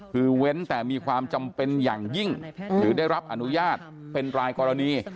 คือเว้นแต่มีความจำเป็นอย่างยิ่งหรือได้รับอนุญาตเป็นรายกรณี